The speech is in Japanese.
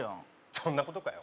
そんなことかよ